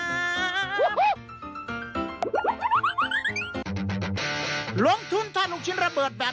มีมีน้องเคยดูมีหรือเปล่า